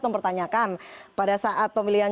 mempertanyakan pada saat pemilihan